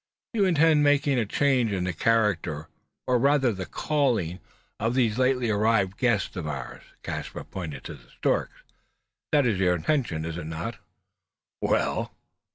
"You intend making a change in the character or rather the calling of these lately arrived guests of ours." Caspar pointed to the storks. "That is your intention, is it not?" "Well?"